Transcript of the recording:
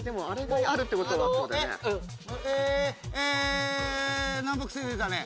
えっえ南北線出たね。